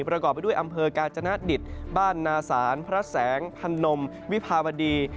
ประกอบไปด้วยอำเภอกาญจนดิตบ้านนาศาลพระแสงพันนมวิภาวดี